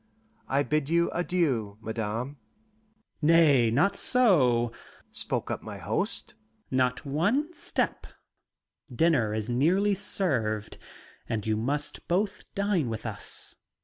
"I bid you adieu, Madame." "Nay, not so," spoke up my host; "not one step: dinner is nearly served, and you must both dine with us.